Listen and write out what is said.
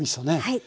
はい。